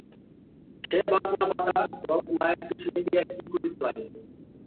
সে বাটনা-বাটা-রত মায়ের পিছনে গিয়া কি করিতে লাগিল।